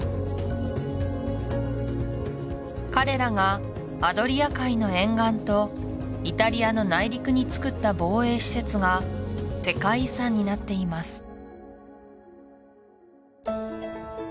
彼らがアドリア海の沿岸とイタリアの内陸に造った防衛施設が世界遺産になっています